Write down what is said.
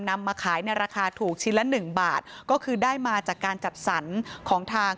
มาขายในราคาถูกชิ้นละหนึ่งบาทก็คือได้มาจากการจัดสรรของทาง